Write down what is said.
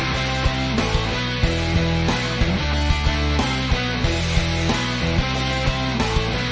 ก็ไม่น่าจะดังกึ่งนะ